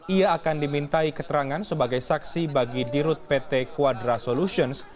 ia akan dimintai keterangan sebagai saksi bagi dirut pt quadra solutions